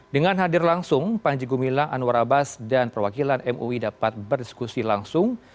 dengan hadir langsung panji gumilang anwar abbas dan perwakilan mui dapat berdiskusi langsung